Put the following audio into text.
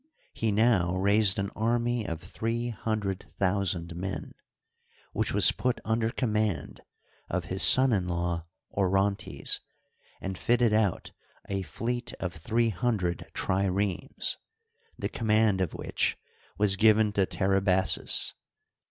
He now raised an army of three hundred thousand men, which was put under command of his son in law Orontes, and fitted out a fleet of three hundred triremes, the command of which was given to Teribazus.